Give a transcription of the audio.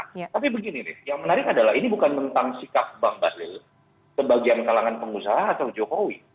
tapi begini nih yang menarik adalah ini bukan tentang sikap bang baslil sebagian kalangan pengusaha atau jokowi